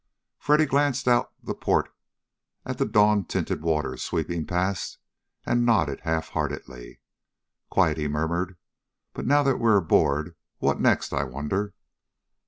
Freddy glanced out the port at the dawn tinted waters sweeping past, and nodded half heartedly. "Quite," he murmured. "But now that we're aboard, what next, I wonder?"